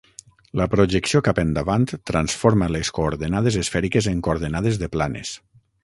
La projecció cap endavant transforma les coordenades esfèriques en coordenades de planes.